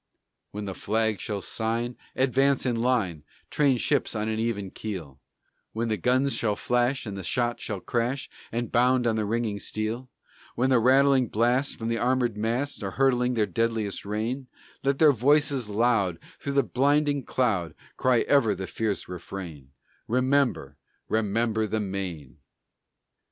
When the flag shall sign, "Advance in line; Train ships on an even keel;" When the guns shall flash and the shot shall crash And bound on the ringing steel; When the rattling blasts from the armored masts Are hurling their deadliest rain, Let their voices loud, through the blinding cloud, Cry ever the fierce refrain, "Remember, remember the Maine!"